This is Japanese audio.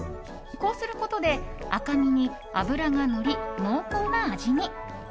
こうすることで赤身に脂がのり、濃厚な味に。